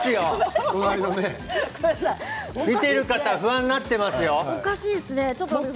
見ている方が不安になっていますよ。